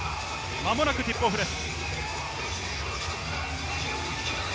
間もなくティップオフです。